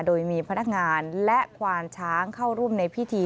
โดยมีพนักงานและควานช้างเข้าร่วมในพิธี